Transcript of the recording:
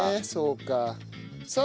そうか。